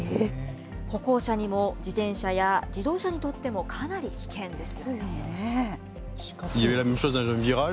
歩行者にも、自転車や自動車にとってもかなり危険です。